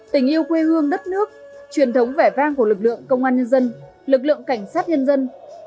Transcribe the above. tình yêu quê hương đất nước truyền thống vẻ vang của lực lượng công an nhân dân lực lượng cảnh sát nhân dân